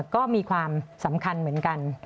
ก็มีความสำคัญเหมือนกัน